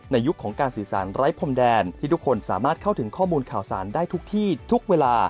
ยุคของการสื่อสารไร้พรมแดนที่ทุกคนสามารถเข้าถึงข้อมูลข่าวสารได้ทุกที่ทุกเวลา